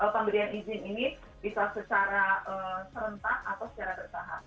pemberian izin ini bisa secara serentak atau secara bertahap